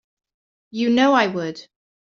You know I would.